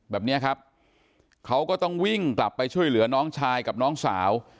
แบบนี้ครับเขาก็ต้องวิ่งกลับไปช่วยเหลือน้องชายกับน้องสาว